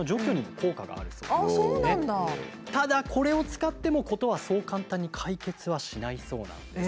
ただこれを使っても事はそう簡単に解決はしないそうなんです。